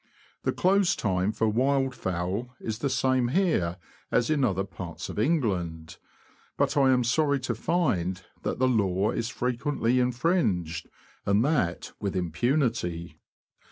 The close time for wildfowl is the same here as in other parts of England, but I am sorry to find that the law is frequently in fringed, and that with impunity.